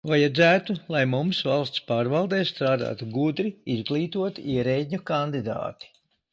Vajadzētu, lai mums valsts pārvaldē strādātu gudri, izglītoti ierēdņu kandidāti.